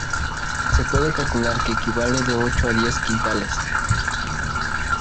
Se puede calcular que equivale de ocho a diez quintales.